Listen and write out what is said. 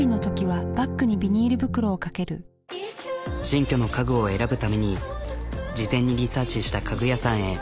新居の家具を選ぶために事前にリサーチした家具屋さんへ。